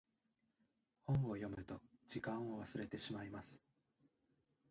本を読むと時間を忘れてしまいます。